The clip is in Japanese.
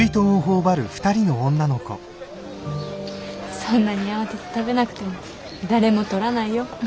そんなに慌てて食べなくても誰も取らないよ。